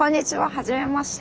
はじめまして。